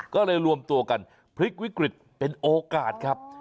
ก็เลยรวมตัวกันพลิกวิกฤตเป็นโอกาสครับ